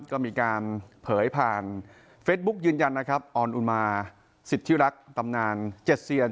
ก็มีการเผยผ่านเฟซบุ๊กยืนยันนะครับออนอุมาสิทธิรักษ์ตำนานเจ็ดเซียน